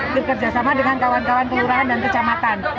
berkerjasama dengan kawan kawan keurangan dan kecamatan